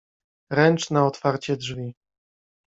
ręczne otwarcie drzwi